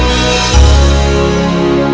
pak aku ke rumah